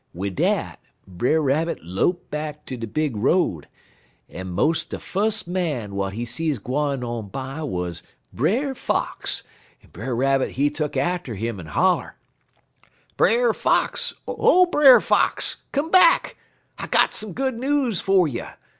Wid dat, Brer Rabbit lope back ter de big road, en mos' de fus' man w'at he see gwine on by wuz Brer Fox, en Brer Rabbit he tuck atter 'im, en holler: "'Brer Fox! O Brer Fox! Come back! I got some good news fer you.